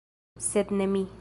Sed ne mi.